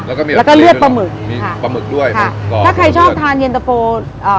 แล้วก็มีอะไรแล้วก็เลือดปลาหมึกมีค่ะปลาหมึกด้วยค่ะถ้าใครชอบทานเย็นตะโฟอ่า